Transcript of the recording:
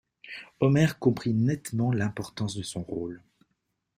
Omer comprit nettement l'importance de son rôle.